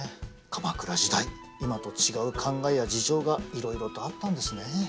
鎌倉時代今と違う考えや事情がいろいろとあったんですねえ。